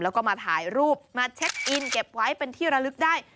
แล้วก็มาถ่ายรูปมาเช็คอินเก็บไว้เป็นที่ระลึกได้